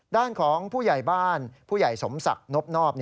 ด้านของผู้ใหญ่บ้านผู้ใหญ่สมศักดิ์นบนอบ